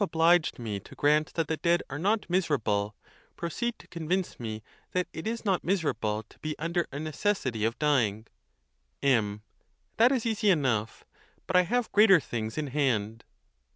obliged me to grant that the dead are not miserable, pro ceed to convince me that it is not miserable to be under a necessity of dying. M. That is easy enough; but I have greater things in hand.